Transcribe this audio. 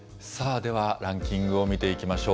ではランキングを見ていきましょう。